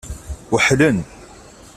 Weḥlen.